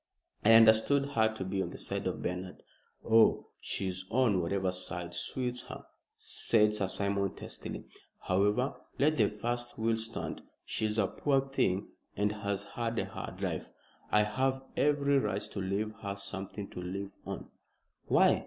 "I understood her to be on the side of Bernard." "Oh, she's on whatever side suits her," said Sir Simon, testily. "However, let the first will stand. She's a poor thing and has had a hard life. I have every right to leave her something to live on." "Why?"